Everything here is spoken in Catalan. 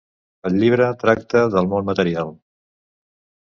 El llibre tracta del món material.